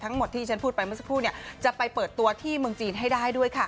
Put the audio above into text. ทั้งหมดที่ฉันพูดไปเมื่อสักครู่จะไปเปิดตัวที่เมืองจีนให้ได้ด้วยค่ะ